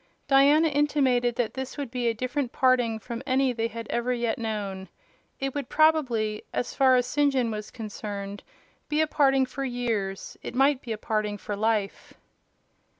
Diana intimated that this would be a different parting from any they had ever yet known. It would probably, as far as St. John was concerned, be a parting for years: it might be a parting for life.